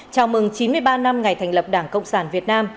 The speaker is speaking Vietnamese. chào mừng chín mươi ba năm ngày thành lập đảng cộng sản việt nam